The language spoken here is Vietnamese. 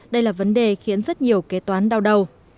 đây là vấn đề khiến rất nhiều kế toán đau đầu